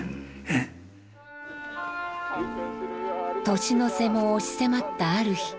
年の瀬も押し迫ったある日。